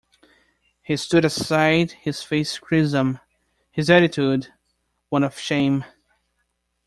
He stood aside, his face crimson, his attitude one of shame.